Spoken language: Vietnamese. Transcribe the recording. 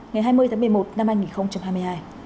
ngày hai mươi tháng một mươi một năm hai nghìn hai mươi hai